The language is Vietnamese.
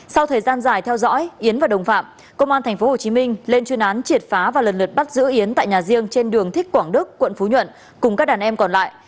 sau thời gian dài theo dõi yến và đồng phạm công an tp hcm lên chuyên án triệt phá và lần lượt bắt giữ yến tại nhà riêng trên đường thích quảng đức quận phú nhuận cùng các đàn em còn lại